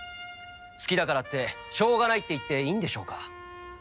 好きだからってしょうがないって言っていいんでしょうか？